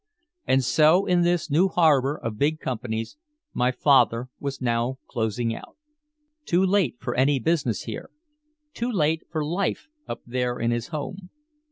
And so in this new harbor of big companies my father was now closing out. Too late for any business here, too late for life up there in his home.